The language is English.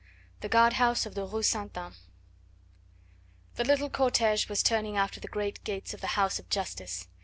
THE GUARD HOUSE OF THE RUE STE. ANNE The little cortege was turning out of the great gates of the house of Justice.